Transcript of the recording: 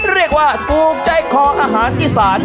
เรียกว่าถูกใจคออาหารอีสาน